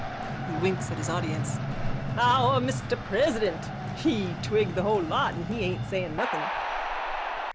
(He winks at his audience.) Our Mr President, he twig the whole lot and he aint saying nothing.